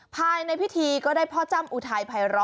ภายในพิธีก็ได้พ่อจ้ำอุทัยภัยร้อ